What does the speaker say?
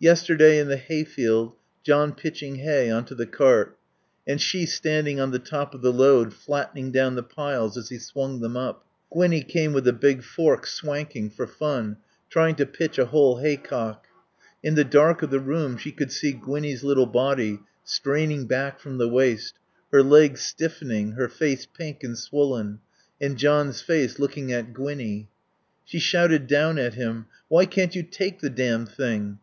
Yesterday in the hayfield, John pitching hay on to the cart, and she standing on the top of the load, flattening down the piles as he swung them up. Gwinnie came with a big fork, swanking, for fun, trying to pitch a whole haycock. In the dark of the room she could see Gwinnie's little body straining back from the waist, her legs stiffening, her face pink and swollen; and John's face looking at Gwinnie. She shouted down at him, "Why can't you take the damned thing?